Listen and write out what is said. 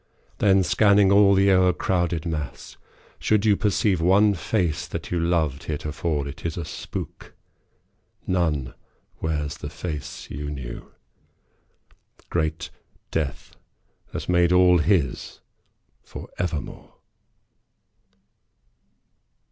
Then, scanning all the o'ercrowded mass, should you Perceive one face that you loved heretofore, It is a spook. None wears the face you knew. Great death has made all his for evermore.